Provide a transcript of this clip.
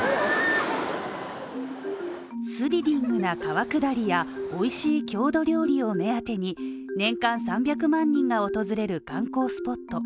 スリリングな川下りや美味しい郷土料理を目当てに年間３００万人が訪れる観光スポット